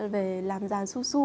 về làm ràn su su